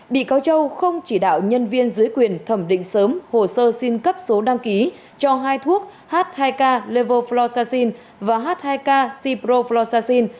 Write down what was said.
bị cáo châu không chỉ đạo nhân viên dưới quyền thẩm định sớm hồ sơ xin cấp số đăng ký cho hai thuốc h hai k level fluoxacin và h hai k ciprofluoxacin